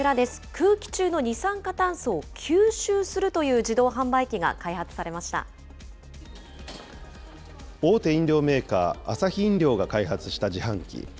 空気中の二酸化炭素を吸収すると大手飲料メーカー、アサヒ飲料が開発した自販機。